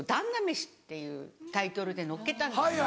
飯っていうタイトルで載っけたんです。